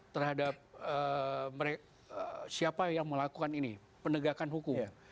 terhadap siapa yang melakukan ini penegakan hukum